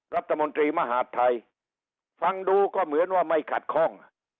รัฐมนตรีมหาดไทยฟังดูก็เหมือนว่าไม่ขัดข้อง